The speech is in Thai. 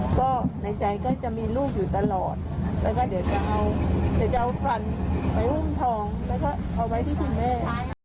แล้วก็เดี๋ยวจะเอาฝันไปว่างทองแล้วก็เอาไว้ที่คุณแม่